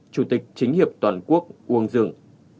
chủ tịch chính hiệp toàn quốc uông dương